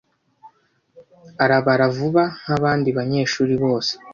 Arabara vuba nkabandi banyeshuri bose.